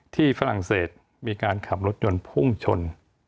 ฝรั่งเศสมีการขับรถยนต์พุ่งชน